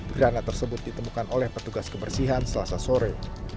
granat tersebut ditemukan oleh petugas kebersihan selasa sore